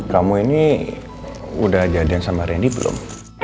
kamu ini udah jadian sama randy belum